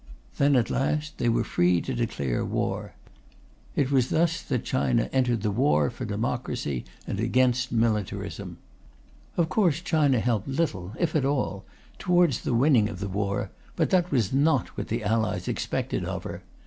Then at last they were free to declare war. It was thus that China entered the war for democracy and against militarism. Of course China helped little, if at all, towards the winning of the war, but that was not what the Allies expected of her.